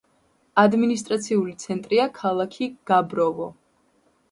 ადმინისტრაციული ცენტრია ქალაქი გაბროვო.